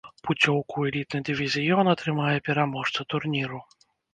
Пуцёўку ў элітны дывізіён атрымае пераможца турніру.